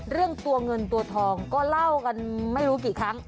เรื่องตัวเงินตัวทองก็เล่ากันไม่รู้กี่ครั้ง